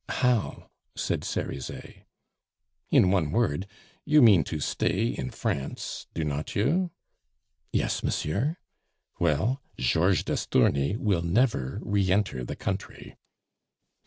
"How?" said Cerizet. "In one word You mean to stay in France, do not you?" "Yes, monsieur." "Well, Georges d'Estourny will never re enter the country."